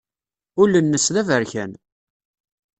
Ul-nnes d aberkan.